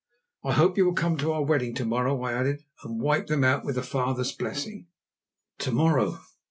"I hope you will come to our wedding to morrow," I added, "and wipe them out with a father's blessing." "To morrow!